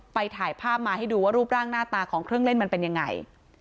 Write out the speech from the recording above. ถ่ายภาพมาให้ดูว่ารูปร่างหน้าตาของเครื่องเล่นมันเป็นยังไง